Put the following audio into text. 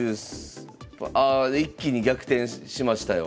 ああ一気に逆転しましたよ。